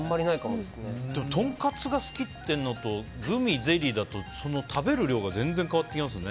とんかつが好きっていうのとグミ、ゼリーだと食べる量が全然変わってきますよね。